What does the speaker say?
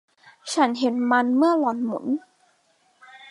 ฉันเห็นมันเมื่อหล่อนหมุน